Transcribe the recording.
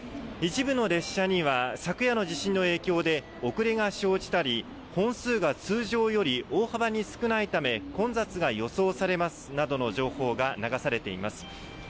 一部の列車には昨夜の地震の影響で遅れが生じたり本数が通常より大幅に少ないため混雑が予想されますなどの情報が流されています。